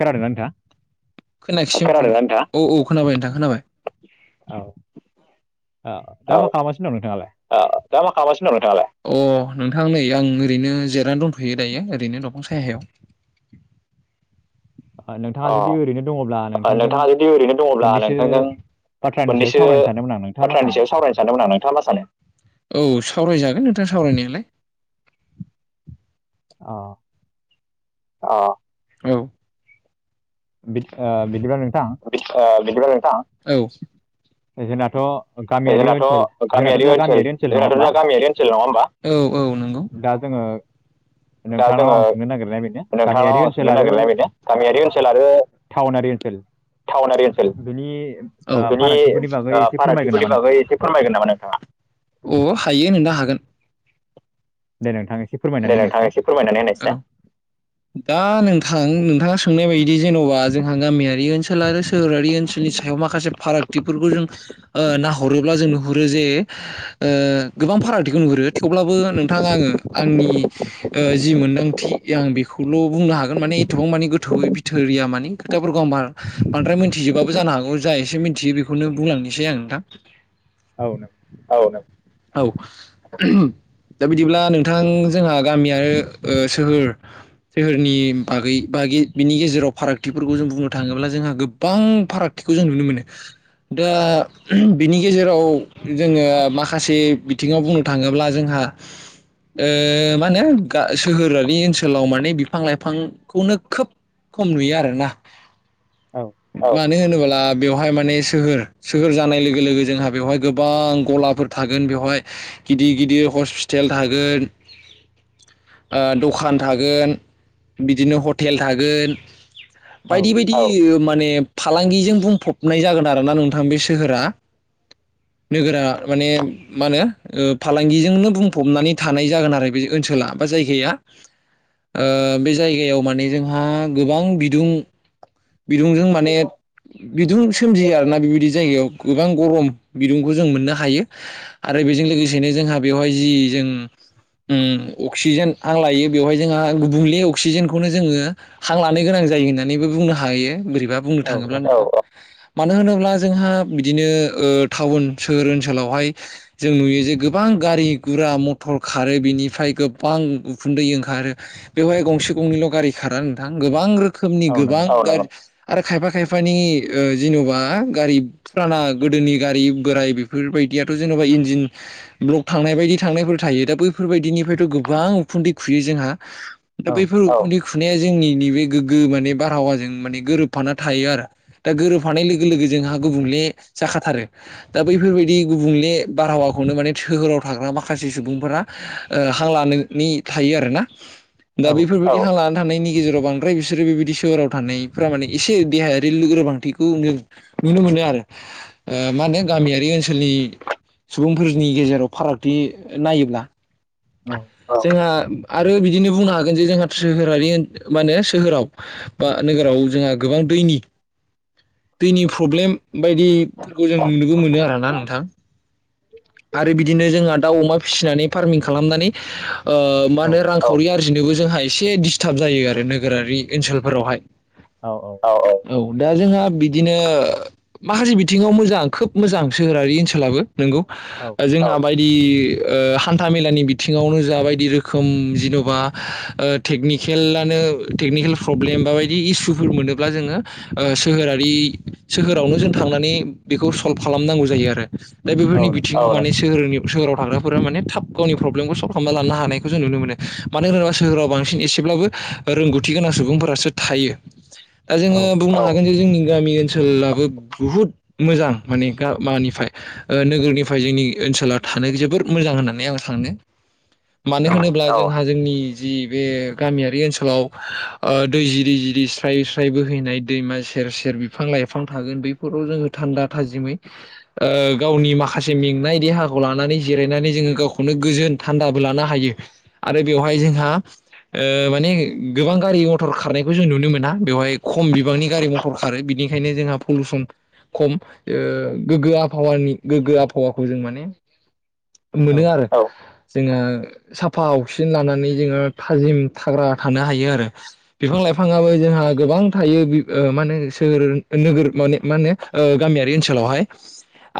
खादोंना नोंथाङा? खोनायाखिसै आरो नोंथां औ औ खोनाबाय नोंथां खोनाबाय। औ औ दा मा खालामगासिनो दं नोंथाङालाय‌‌? दा मा खालामासिनो दं नोंथांआलाइ‌? अ नै आं ओरैनो जिरनानै दंथ'यो दायो ओरैनो अंसाय हायाव। [unintelligible] ओ, नोंथाङा जुदि ओरैनो दङब्ला अ नोंथांजों नोंथाङा जुदि ओरैनो दङब्ला मोननैसो नोंथांजों बाथ्रानि सायाव मोननैसो सावरायनो सानदोंमोन आं नोंथाङा मा बाथ्रानि सानो? सायाव सावरायनो सानदोंमोन आं नोंथाङा मा सानो? औ सावरायजागोन नोंथां सावरायनायालाय। अ अ औ ओ‌ बिदिबा‌ नोंथां ‌। ओ बिदिल्बा नोंथाङा औ जोंनाथ' गामियारि जोंनाथ' ओनसोल जोंनाथ' गामियारि दा ओनसोल नङा जोंनाथ' होमबा? दा गामियारि ओनसोल नङा होमबा औ औ नंगौ। दा‌ जोंङो दा नोंथांनाव जोङो आं सोंनो नागिरनाय बेनो नोंथांनाव गामियारि आं सोंनो ओनसोल आरो नागिरनाया बेनो गामियारि ओनसोल आरो टाउनारि ओनसोल। टाउनारि ओनसोल बिनि ओ, बिनि फारागथिफोरनि बागै एसे फोरमायगोन नामा फारागथिफोरनि बागै नोंथाङा? एसे‌ फोरमायगोन नामा नोंथाङा? अ हायो नोंना हागोन। दे नोंथांआ एसे दे फोरमायनानै नोंथाङा होनायसाय‌। एसे फोरमायनानै होनोसै दा नोंथां नोंथाङा सोंनाय बायदि जेन'बा जोंहा गामियारि ओनसोल आरो सोहोरारि ओनसोलनि स हथायाव माखासे फारागथिफोरखौ जों नाहरोब्ला जों नुहुरो जे गोबां फारागथिखौ नुहुरो थेवब्लाबो नोंथाङा आङो आंनि जि मोनदांथि आं बेखौल' बुंनो हागोन माने एथबां मानि गोथौयै थोरिया मानानि खोथाफोरखौ आं बांद्राय मिथिजोबाबो जानो हागौ जा एसे मिनथियो बेखौनो बुंलांनोसै आं नोंथां। औ नों औ औ दा बिदिब्ला नों नोंथां जोंहा गामि आरो सोहोर बागै -बागै बिनि गेजेराव जों बुंनो थाङोब्ला जोंहा गोबां फाराग बेखौ जों नुनो मोनो। दा बिनि गेजेराव जोङो माखासे बिथिङाव बुंनो थाङोब्ला जोंहा मा होनो सोहोरारि ओनसोलाव माने बिफां- लाइफांखौनो खोब खम नुयो आरो ना औ मानो होनोब्ला बेवहाय माने सोहोर सोहोर जानाय लोगो लोगो जोंहा बेवहाय गोबां गलाफोर थागोन बेवहाय गिदिर गिदिर हस्पिटेल थागोन। ओ दखान थागोन बिदिनो हटेल थागोन औ बायदि बायद दिर माने फालांगिजों बुंफबनाय जागोन आरो ना नोंथां बे सोहोरा। नोगोरा माने मा होनो ओ फालांगिजोंनो बुंफबनानै थानाय जागोन आरो बे ओनसोला बा जायगाया ओ बे जायगायाव माने जोंहा गोबां बिदुं बिदुंजों माने बिदुं सोमजियो आरोना बेबायदि जायगायाव। गोबां गरम बिदुंखौ जों मोननो हायो आरो बेजों लोगोसेनो जोंहा बेवहाय जि जों उम अक्सिजेन हां लायो बेवहाय जोंहा गुबुंले अक्सिजेनखौनो जोङो हां लानो गोनां जायो होननानैबो बुंनो हायो बोरैबा बुंनो थाङोब्ला औ ओं मानो होनोब्ला जोंहा बिदिनो ओ टाउन सोहोर ओनसोलाव हाय जों नुयो जे गोबां गारि गुरा म टर खारो बिनिफ्राय गोबां उखुन्दै ओंखारो। बेवहाय गंसे गंनैल' गारि खारा नोंथां गोबां रोखोमनि औ गोबां नंगौ। गार आरो खायफा खायफानि ओ जेन'बा गारिब फुराना गोदोनि गारि बोराइ बेफोर बायदियाथ' जेन'बा इन्जिन ब्लक थांनाय बायदि थांनायफोर थायो दा बैफोर बायदिनिफायथ' गोबां उखुन्दै खुयो जोंहा दा औ बैफोर उखुन्दै खुनाया जोंनि नै बे गोग्गो माने बारहावाजों माने गोरोबफाना थायो आरो दा गोरोबफानाय लोगो लोगो जोंहा गुबुंले जाखाथारो। दा बैफोरबायदि गुबुंले बारहावाखौनो माने सोहोराव थाग्रा माखास से सुबुंफोरा ओ हां लानोनि थायो आरोना दा औ बैफोर [unintelligible] औ लाना थांनायनि गेजेराव बांद्राय बिसोरो बेबायदि सोहोराव थानायफोरा माने एसे देहायारि लोरबांथिखौनो नुनो मोनो आरो ओ मा होनो गामियारि ओनसोलनि सुबुंफोरनि गेजेराव फारागथि नायोब्ला औ जोंहा आरो बिदिनो बुंनो हागोन जे जोंहा सोहोरारि माने सोहोराव बा नोगोराव जोंहा गोबां दैनि दैनि फ्रब्लेम बायदिफोरखौ जों नुनोबो मोनो आरो ना नोंथां? आरो बिदिनो जोंहा दाउ अमा फिसिनानै फार्मिं खालामनानै ओ मा औ होनो रांखावरि आरजिनोबो जोंहा एसे दिस्टाब जायो आरो नोगोरारि ओनसोलफोरावहाय। औ औ औ औ दा जोंहा बिदिनो माखासे बिथिङाव मोजां खोब मोजां सोहोरारि ओनसोलाबो नोंगौ औ ओ जोंहा बायदि ओ हान्था मेलानि बिथिङावनो जा बायदि रोखोम जिन'बा ओ टेकनिकेलानो टेकनिकेल प्रब्लेम बा बायदि इसुफोर मोनोब्ला जोङो ओ सोहोरारि सोहोरावनो जों थांनानै बेखौ सल्भ खालामनांगौ जायो आरो दा बेफोरनि औ बिथ नों माने सोहोरनि सोराव थाग्राफोरा माने थाब गावनि प्रब्लेमखौ सल्भ खालामना लानो हानायखौ जों नुनो मोनो। मानो होनोबा सोहोराव बांसिन एसेब्लाबो रोंगौथि गोनां सुबुंफोरासो थायो। [inaudible] दा जोङो बुंनो हाग जोंनि गामि ओनसोलाबो बुहुत मोजां माने गा मानिफाय ओ नोगोरनि फाय जोंनि ओनसोला थानो जोबोर मोजां होननानै आं सानो। औ मानो होनोब्ला जोंहा जोंनि जि बे गामियारि ओनसोलाव ओ दै जिरि जिरि स्राय स्राय बोहैनाय दैमा। सेर सेर बिफां लाइफां थागोन बैफोराव जोङो थान्दा थाजिमै ओ गावनि मा - खासे मेंनाय देहाखौ लानानै जिरायनानै जोङो गावखौनो गोजोन थान्दाबो लानो हायो। आरो बेवहाय जोंहा। ओ माने गोबां गारि मथर खारनायखौ जों नुनो मोना बेवहाय खम बिबांनि गारि मथर। खारो बिनिखायनो जोंहा पलिुसन खम ओ गोग्गो आबहावानि गोग्गो आब। हावाखौ जों माने औ मोनो आरो जोङो। साफा अक्सिजेन लानानै जोङो थाजिम थाग्रा थानो हायो आरो। बिफां लाइफांआबो जोंहा गोबां थायो ओ मा होनो सोहोर नोगोर माने मा होनो। ओ गामियारि ओनसोलावहाय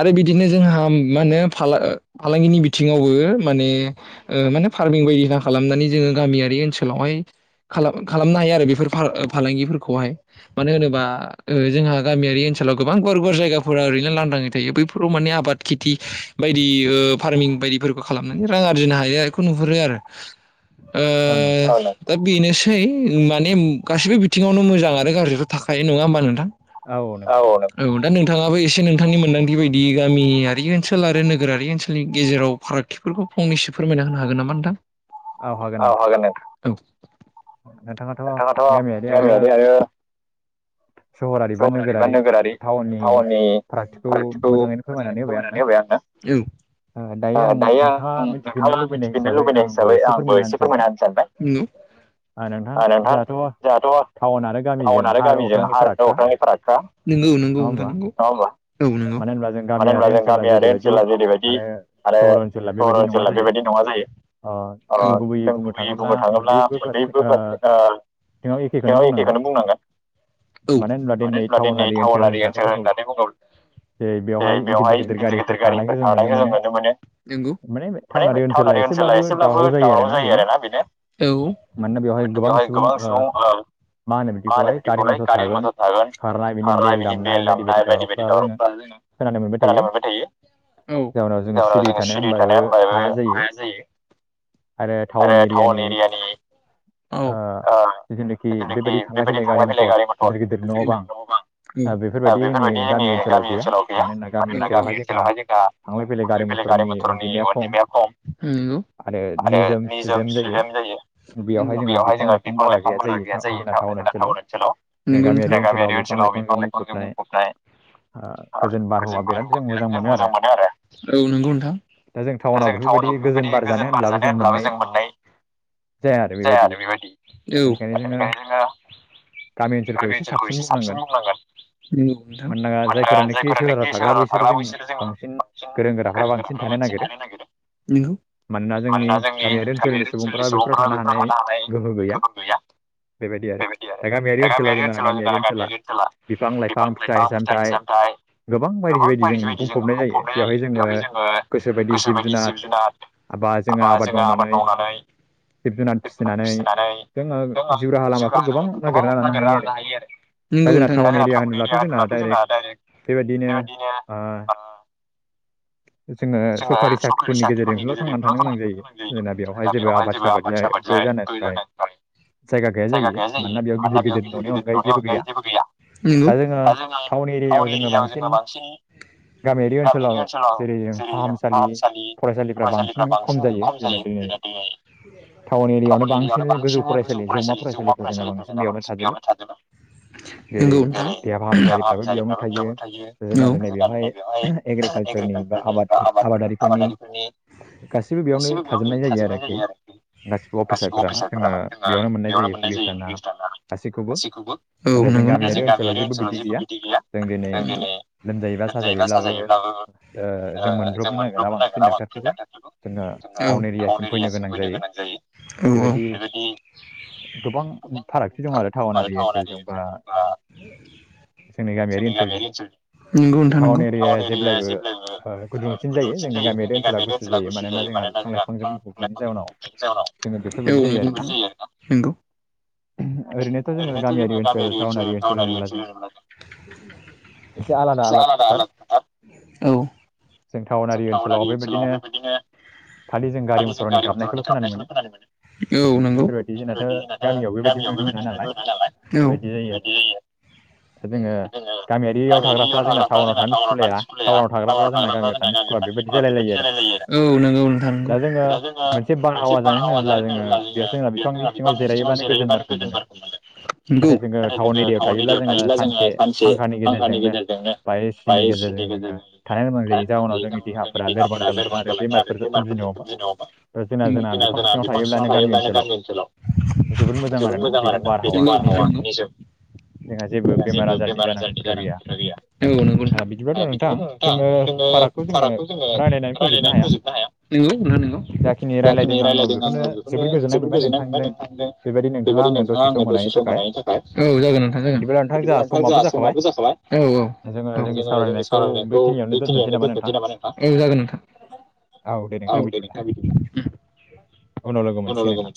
आरो बिदिनो जोंहा। फ्राय मा होनो फालांगिनि बिथिङावबो माने। माने फार्मिं बायदिना खालामनानै जोङो गामियारि ओनसोलावहाय। खालाम खालामनो हायो आरो बेफोर फा-फालांगिफोरखौहाय। मानो होनोबा ओ जोंहा गामियारि ओनसोलाव गोबां गुवार गुवार जायगाफोरा ओरैनो थायो बैफोराव माने आबाद। खेथि बायदि फार्मिं बायदिफोरखौ खालामनानै रां आरजिनो हायो बेखौ नुहुरो आरो। [inaudible] औ नों ओ। दा बेनोसै माने गासैबो बिथिङावनो मोजां आरो गाज्रिथ' थाखायो नङा होमबा नोंथां? औ औ दा नोंथाङाबो एसे नोंथांनि मोनदांथि बायदि गामि आरो। बे ओनसोल आरो नोगोरारि ओनसोलनि गेजेराव फारागथिफोरखौ फंनैसो फोरमायना होनो हागोन नामा नोंथां? औ हागोन नोंथां औ। नोंथाङाथ' गामियारि आरो। सहरारि बा नोगोरारि टाउननि फारथिखौ मोजाङै। फोरमायनानै होबाय आंनो औ। ओ आं दायो नोंथाङा आं मिथिफिननो नोंथाङा लुबैनाय मिथिफिननो हिसाबै लुबैनाय आंबो हिसाबै आंबो एसे फोरमायना होनो सानबाय। नु ओ ओ‌ नोंथां जोंहाथ' जोंहाथ'। टाउन आरो गामिजों टाउन आरो हा गामिजों अख्रांनि हा आरो फारागखा अख्रांनि फारागखा नोंगौ नंगौ नङा नोंथां होमबा नंगौ नङा होमबा? औ नंगौ मानो होनब्ला जों मानो गामियारि होनब्ला जों। ओनसोला गामियारि जेरैबायदि ओनसोला जेरैबायदि आरो आरो ओनसोला सहर बेबायदि नङा ओनसोला जायो बेबायदि नङा जायो। जों गुबैयै बुंनो थाङोब्ला मोननै। ओ एखेखौनो बुंनांगोन। औ मानो होनब्ला दिनै टाउनारि ओनसोल होननानै बुङोब्ला जै बेवहाय। गिदिर गिदिर गारिफोर थानायखौ जों नुनो मोनो नोंगौ माने टाउनारि ओनसोला एसे। जायो आरोना औ माना बेवहाय गोबां सुबुं। मा होनो बिदिखौलाय कारि मथर थागोन खारनाय बिनि बेल दामनाय बायदि बायदि दावराव जों - खोनानो मोनबाय थायो। जाउनाव जोङो जाहोनाव सिरि थानायानो थानाया होमबाबो होनबाबो हाया जायो। आरो टाउन एरि। टाउन एरियानि। औ जिथुनेखि बेबायदि थांलाय फैलाय गारि मथर [unintelligible] आं बेफोरबायदि जोंनि गामि ओनसोलाव गैया मानोना गामि ओनसोलावहाय जोंहा। थांलाय फैलाय गारि मथरनि अनजिमाया खम। आरो निजोम सुदेम जायो। बेयावहाय जोंहा बिफां लाइफांफोरा गैया जायो टाउन ओनसोलाव गामियारि ओनसोलाव बिफां लाइफां जों बुंफबनाय। गोजोन बारहावा बिराद जों मोजां जों मोजां मोनो आरो औ नंगौ नोंथां दा जों टाउनाव बेफोरबायदि गोजोन बार जानो होनब्लाबो जों मोननाय जाया आरो बेबायदि बेनिखायनो जोंङो गामि ओनसोलखौ एसे साबसिन बुंनांगोन। जायफोरानोखि सोहोराव थाग्रा बैसोर बिसोरो जोंङो बांसिन गोरों गोराफोरा बांसिन थानो नागिरो मानोना जोंनि गामियारि ओनसोलनि सुबुं फोरा बेफोराव थानो हानाय गोहो गैया। बेबायदि आरो दा गामियारि ओनसोलाव जोंना गामियारि ओनसोला बिफां लाइफां फिथाइ सामथाइ गोबां बायदि बायदि जों बुंफबनाय जायो बेवहाय जोंङो जोङो गोसोबायदि गोसो जिब जुनाद जुनार आबाद जोंङो आबाद माव आबाद मावनानै [inaudible] जिब जुनार फिसिनानै जोंङो जिउ राहा लामाफोर गोबां नागिरना लानो हायो आरो। नंगौ दा जोंना नोंथां टाउन नंगौ। एरिया होनोब्लाथ' जोंना डाइरेक्ट बेबायदिनो अ जोंङो सरकारि साख्रिफोरनि गेजेरजोंल' थांनानै थानो गोनां जायो जोंना बेयावहाय जेबो साख्रियावहाय जों आबाद आबाद [unintelligible] जानो थाखाय जायगा गैया जायो मानोना बेयाव गिदिर गिदिर न'नि अनगायै जेबो गैया दा जोंङो टाउन एरियायाव टाउननि जोंङो बांसिन गामियारि गामि ओनसोलाव जेरै जों फाहामसालि फरायसालिफ्रा बांसिन खम जायो जोंना दिनै टाउन एरियायावनो बांसिन गोजौ फरायसालि जौमा फरायसालिफोर जोंना बांसिन बेयावनो थाजोबो। जेरै नंगौ नोंथां देहा फाहामसालिफ्राबो बेयावनो थायो औ। जोंहा दिनै बेवहाय एग्रिकालचारनि बा आबादफोर आबाद आबादारिफोरनि आबादा गासिबो बेयावनो थाजोबनाय जायो आरोखि‌ गासिबो जोंहा अफिसारफोरा जोंङो बेयावनो मोननाय जायो पुलिस थाना गासिखौबो औ नाथाय जों नंगौ नोंथां उम। गामियारि ओनसोलाव जेबो बिदि गैया जों दिनै लोमजायोबा साजायोब्लाबो ब्लाबो ओ औ जों मोनब्रबनो नागिरा बांसिन डाक्ट'रफोरखौ जोंङो टाउन एरियासिम फैनो गोनां फैनो गोनां जायो बेबायदि गोबां फारागथि दं आरो टाउनारि ओनसोलफोर बा जोंनि गामियारि ओनसोल नंगौ नोंथां नंगौ टाउन एरिया जेब्लायबो गुदुंसिन जायो जोंनि गामियारि ओनसोला गुसु जायो मानोना जोंहा बिफां लाइफां थानायनि जोङो जाहोनाव बेफोरबायदि औ जायो आरोना नंगौ नंगौ आरैनोथ' जोंहा गामियारि ओनसोल टाउनारि ओनसोल होनोब्ला जों एसे आलादा आलादा औ जों टाउनारि ओनसोलाव बेबायदिनो खालि जों मथरनि गारि गाबनायखौल' खोनानो मोनो मथरनि औ नंगौ बेफोरबायदि जोंनाथ' गामियाव औ बेबायदि नुनो मोना गामियारियाव नालाय बेबायदि जायो आरो जोङो थाग्राफ्रा जोंना टाउनाव थानो सुखुलाया टाउनाव थाग्राफ्रा जोंना गामियाव थानो स्कुला बेबायदि जालायलायो आरो। औ नंगौ नोंथां नंगौ दा जोंङो मोनसे बारहावा जानो थाङोब्ला जोंङो बे जोंहा बिफांनि सिङाव जिरायोबानो गोजोन बारखौ मोनो। नाथाय जोंङो टाउन एरियायाव थायोब्ला जोंङो सानसे फांखानि गेजेरजोंनो बा गेजेरजों एसिनि जोङो गेजेरजोंनो थानो गोनां था जायो जाउनाव जोंनि देहाफोरा लोरबां जालाङो बेमारफोर आरो सोमजिनो हमो बेमारफोरखौ [unintelligible] जोंना जोंना बिफां बिफां थायोब्लानो सिङाव थायो माने ओनसोलाव गामि ओनसोलाव। जोबोद मोजां आरोना बेनि बारहावाया निजोम। जोंना जेबो बेमार आजारनि जानांगौबो गैया। [unintelligible] ओ बिदिबाथ' नोंथां जोङो फारागखौ जोङो रायलायनानै फोजोबनो हाया। नोंगौ नोंथां नोंगौ। जाखिनि रायलायदों आङो बेखौनो जोबोद गोजोननाय मोनबाय नोंथांजों। बेबायदि नोंथाङा आंनो दसे सम होनायनि थाखाय [unintelligible] बिदिब्ला नोंथां जोंहा बिदिब्लाथाय जाहा समाबो जाखाबाय। औ औ। औ। जोङो जोंनि सावरायनायखौ बेखिनियावनो दोनथ'नोसै नामा नोंथां? औ जागोन नोंथां औ दे नोंथां बिदिब्ला। [inaudible] उनाव लोगो मोनसिगोन नोंथां।